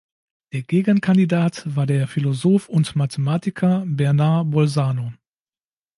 Der Gegenkandidat war der Philosoph und Mathematiker Bernard Bolzano.